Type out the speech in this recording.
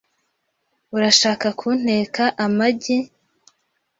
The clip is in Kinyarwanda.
Urashaka kunteka amagi?